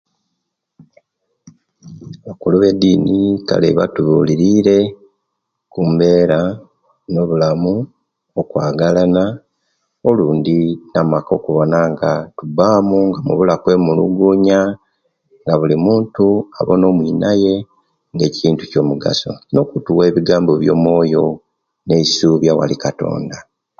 Abakulu bedini kale batubulirire kumbera no bulamu okwagalana olundi namaka okuwona nga mubamu nga wawula kwemulugunya nabuli muntu abona omwinaye nga ekintu Kyo mugaso nokutuwa ebigambo byo mwoyo nesubi awali katonda